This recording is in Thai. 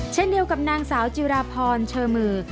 เช่นเดียวกับนางสาวจิราพรเชอมือ